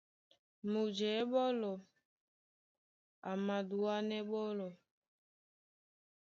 Mujɛ̌ɓólɔ a madúánɛ́ ɓɔ́lɔ̄.